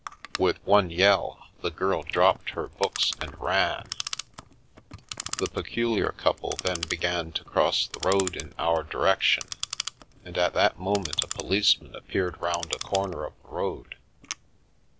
With one yell, the girl dropped her books and ran. The peculiar couple then began to cross the road in our direction, and at that moment a policeman appeared round a corner of the road.